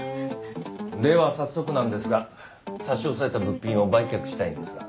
では早速なんですが差し押さえた物品を売却したいんですが。